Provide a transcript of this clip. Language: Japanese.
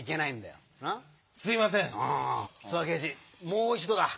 もう一どだ。